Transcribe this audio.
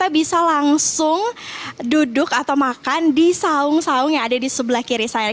bisa langsung duduk atau makan di saung saung yang ada di sebelah kiri saya